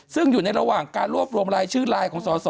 ซึ่งอยู่ในระหว่างการรวบรวมรายชื่อไลน์ของสอสอ